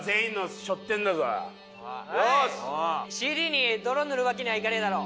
ＣＤに泥塗るわけにはいかねえだろ。